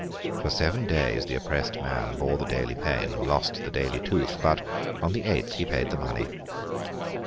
For seven days, the oppressed man bore the daily pain and lost the daily tooth; but, on the eighth, he paid the money.